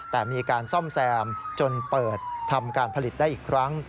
แต่มีการซ่อมแซมจนเปิดทำการผลิตได้อีกครั้ง